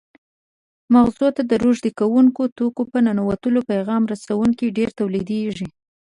مغزو ته د روږدي کوونکو توکو په ننوتلو پیغام رسوونکي ډېر تولیدېږي.